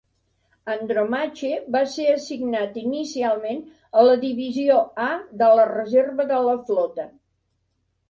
"Andromache" va ser assignat inicialment a la Divisió A de la reserva de la flota.